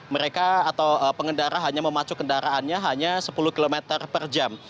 mereka atau pengendara hanya memacu kendaraannya hanya sepuluh km per jam